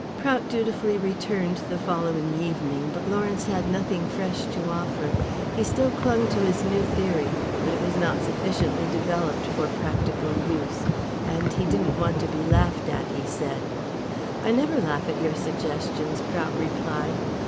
Prout dutifully returned the following evening, but Lawrence had nothing fresh to offer. He still clung to his new theory, but it was not sufficiently developed for practical use. And he didn't want to be laughed at, he said. "I never laugh at your suggestions," Prout replied.